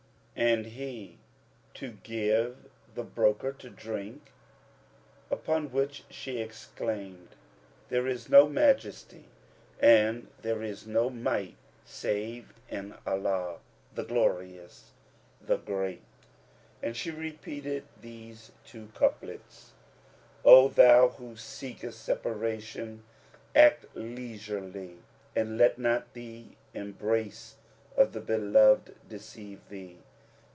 And he, To give the broker to drink," upon which she exclaimed, There is no Majesty and there is no Might save in Allah, the Glorious, the Great!"; and she repeated these two couplets,[FN#284] "O thou who seekest separation, act leisurely, and let not the embrace of the beloved deceive thee!